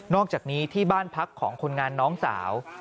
อกจากนี้ที่บ้านพักของคนงานน้องสาว